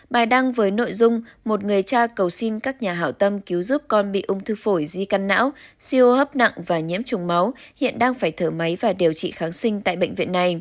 bài đăng với nội dung một người cha cầu xin các nhà hảo tâm cứu giúp con bị ung thư phổi di căn não siêu hô hấp nặng và nhiễm trùng máu hiện đang phải thở máy và điều trị kháng sinh tại bệnh viện này